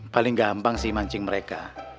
paling gampang si mancing mereka